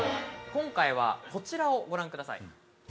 今回はこちらをご覧ください。